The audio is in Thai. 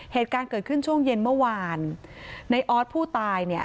เหตุการณ์เกิดขึ้นช่วงเย็นเมื่อวานในออสผู้ตายเนี่ย